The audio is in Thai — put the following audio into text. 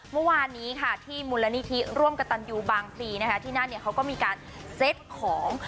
เมื่อวานนี้ค่ะที่มูลนิธิร่วมกับตันยูบางพลีนะคะที่นั่นเนี่ยเขาก็มีการเซ็ตของ